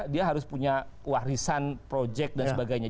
dia harus punya warisan project dan sebagainya